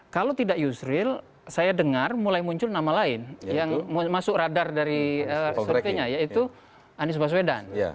kalau tidak yusril saya dengar mulai muncul nama lain yang masuk radar dari surveinya yaitu anies baswedan